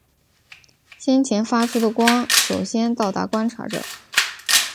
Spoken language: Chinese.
先前发出的光首先到达观察者。